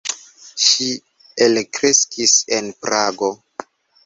Ŝi elkreskis en Prago.